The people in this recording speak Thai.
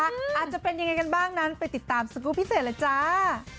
อาจจะเป็นยังไงกันบ้างนั้นไปติดตามสกรูปพิเศษเลยจ้า